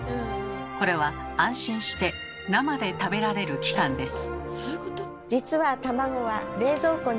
これは安心して生で食べられる期間です。